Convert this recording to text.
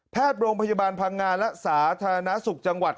โรงพยาบาลพังงาและสาธารณสุขจังหวัด